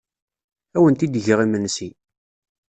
Ad awent-d-geɣ imensi.